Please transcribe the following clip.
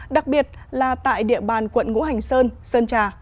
đặc biệt là tại địa bàn quận ngũ hành sơn sơn trà